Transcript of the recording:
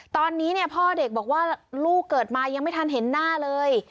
ตอนนี้เนี่ยพ่อเด็กบอกว่าลูกเกิดมายังไม่ทันเห็นหน้าเลย